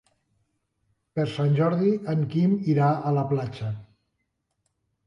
Per Sant Jordi en Quim irà a la platja.